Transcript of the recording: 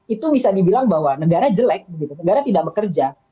itu bisa dibilang bahwa negara jelek negara tidak bekerja